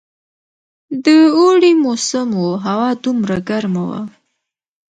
د اوړي موسم وو، هوا دومره ګرمه وه.